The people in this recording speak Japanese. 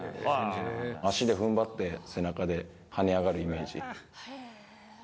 足でふんばって、背中で跳ね上がるイメージ。